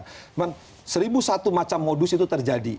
cuma seribu satu macam modus itu terjadi